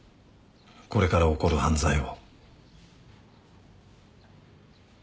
これから起こる犯罪を。